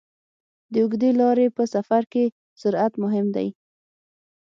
د اوږدې لارې په سفر کې سرعت مهم دی.